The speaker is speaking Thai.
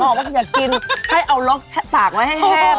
มองว่าอยากกินให้เอารกปากไว้ให้แห้ง